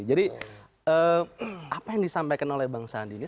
jadi apa yang disampaikan oleh bang sandi